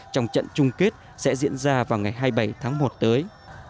trong trận chung kết sẽ diễn ra vào ngày hai mươi bảy tháng một tới